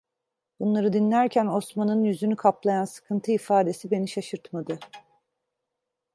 Bunları dinlerken Osman'ın yüzünü kaplayan sıkıntı ifadesi beni şaşırtmadı.